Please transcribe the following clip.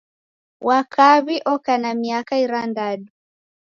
Wa kaw'i oka na miaka irandadu.